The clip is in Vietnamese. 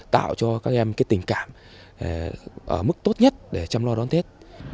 tạo cho các em tình cảm ở mức tốt nhất để chăm lo đón tết